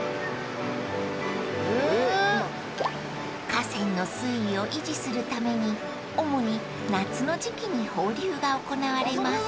［河川の水位を維持するために主に夏の時季に放流が行われます］